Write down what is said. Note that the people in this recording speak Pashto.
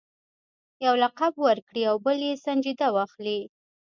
یو لقب ورکړي او بل یې سنجیده واخلي.